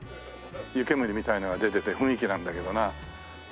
湯けむりみたいなのが出てて雰囲気なんだけどな。